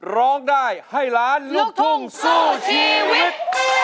ร้องได้ให้ล้านลูกทุ่งสู้ชีวิต